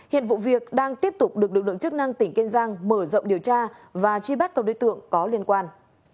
hiện vụ việc đang tiếp tục được lực lượng chức năng tỉnh kiên giang mở rộng điều tra và truy bắt các đối tượng có liên quan